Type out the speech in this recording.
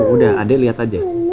udah ade lihat aja